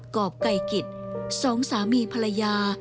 กรอบไก่กิจสองสามีภรรยา